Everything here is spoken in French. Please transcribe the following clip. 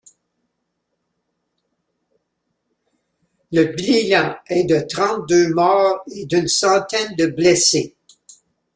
Le bilan est de trente-deux morts et d'une centaine de blessés.